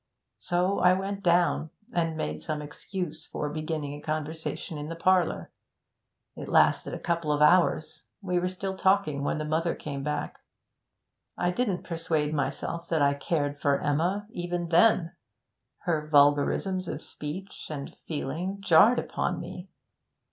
So I went down, and made some excuse for beginning a conversation in the parlour. It lasted a couple of hours; we were still talking when the mother came back. I didn't persuade myself that I cared for Emma, even then. Her vulgarisms of speech and feeling jarred upon me.